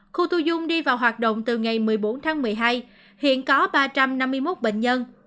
khu thu dung đi vào hoạt động từ ngày một mươi bốn tháng một mươi hai hiện có ba trăm năm mươi một bệnh nhân